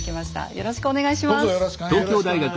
よろしくお願いします。